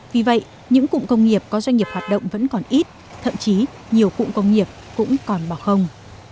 vì vậy những cụm công nghiệp có doanh nghiệp hoạt động vẫn còn ít thậm chí nhiều cụm công nghiệp cũng còn bỏ không